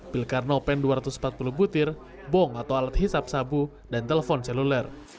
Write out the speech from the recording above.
pilkarno pen dua ratus empat puluh butir bong atau alat hisap sabu dan telepon seluler